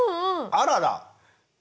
あらら。